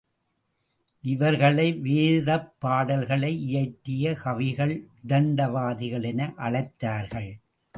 இவர்களை வேதப்பாடல்களை இயற்றிய கவிகள் விதண்டாவாதிகள் என அழைத்தார்கள்.